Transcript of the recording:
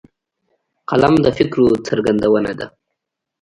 قلم د فکرو څرګندونه ده